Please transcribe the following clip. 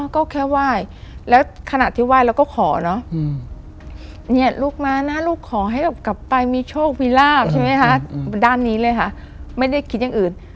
ก็แค่ไหว้แล้วขณะที่ไหว้เราก็ขอเนอะเนี่ยลูกมานะลูกขอให้แบบกลับไปมีโชคมีลาบใช่ไหมคะด้านนี้เลยค่ะไม่ได้คิดอย่างอื่น